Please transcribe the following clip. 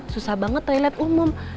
susah banget toilet umum